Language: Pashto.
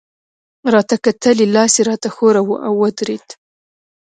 راته کتل يې، لاس يې راته ښوراوه، او ودرېد.